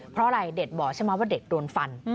เพราะอะไรเด็กบอกใช่ไหมว่าเด็กโดนฟัน